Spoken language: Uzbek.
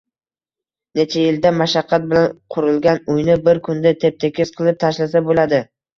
Necha yilda mashaqqat bilan qurilgan uyni bir kunda tep-tekis qilib tashlasa bo‘ladi.